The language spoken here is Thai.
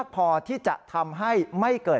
ตอนต่อไป